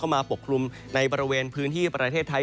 มาปกคลุมในบริเวณพื้นที่ประเทศไทย